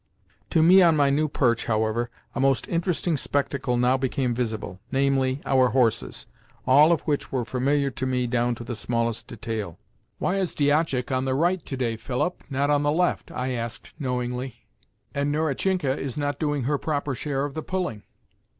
To me on my new perch, however, a most interesting spectacle now became visible—namely, our horses, all of which were familiar to me down to the smallest detail. "Why is Diashak on the right today, Philip, not on the left?" I asked knowingly. "And Nerusinka is not doing her proper share of the pulling."